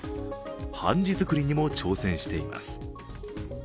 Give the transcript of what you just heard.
ハンジ作りにも挑戦しています。